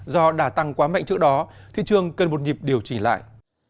do đã tăng quá mạnh trước đó thị trường cần một nhịp điều chỉnh lại